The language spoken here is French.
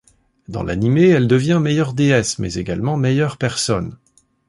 Dans l'anime, elle devient meilleure déesse mais également meilleure personne.